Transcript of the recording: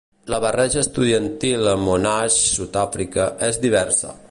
La barreja estudiantil a Monash, Sud-àfrica, és diversa.